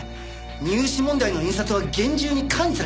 入試問題の印刷は厳重に管理されています。